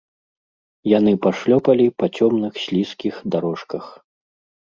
Яны пашлёпалі па цёмных слізкіх дарожках.